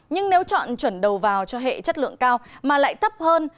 nhưng nếu chọn chuẩn đầu vào cho hệ chất lượng cao mà lại thấp hơn